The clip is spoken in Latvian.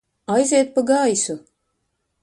Aiziet pa gaisu!